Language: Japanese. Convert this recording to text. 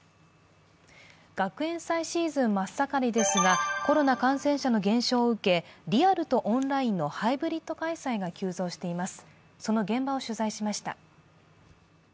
学園祭シーズン真っ盛りですがコロナ感染者の減少を受け、リアルとオンラインのハイブリッド開催が急増しています。